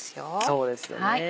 そうですよね。